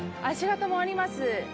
足形もあります。